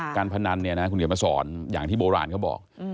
การพนันเนี่ยนะคุณเขียนมาสอนอย่างที่โบราณเขาบอก